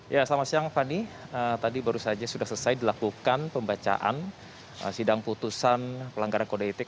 ya selamat siang fani tadi baru saja sudah selesai dilakukan pembacaan sidang putusan pelanggaran kode etik